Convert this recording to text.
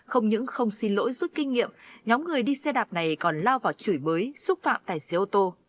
không những không xin lỗi rút kinh nghiệm nhóm người đi xe đạp này còn lao vào chửi bới xúc phạm tài xế ô tô